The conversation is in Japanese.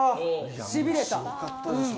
しびれた。